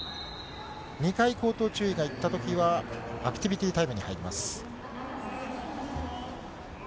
２回口頭注意がいったときは、アクティビティタイムに入ります。